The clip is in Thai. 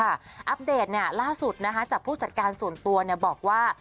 อัปเดตล่าสุดจากผู้จัดการส่วนตัวบอกว่า